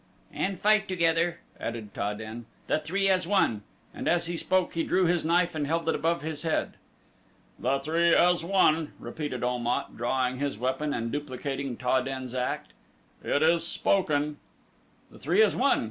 "And fight together," added Ta den; "the three as one," and as he spoke he drew his knife and held it above his head. "The three as one," repeated Om at, drawing his weapon and duplicating Ta den's act. "It is spoken!" "The three as one!"